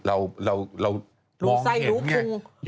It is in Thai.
เรามองเห็นเนี่ย